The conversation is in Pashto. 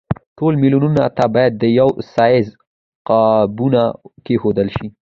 ټولو مېلمنو ته باید د یوه سایز قابونه کېښودل شي.